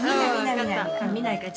見ないから。